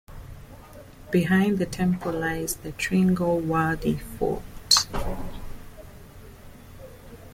Behind the temple lies the Tringalwadi Fort.